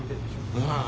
うん。